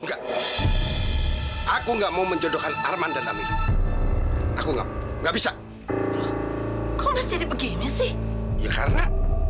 enggak aku enggak mau menjodohkan arman dan amir aku enggak enggak bisa kok jadi begini sih ya karena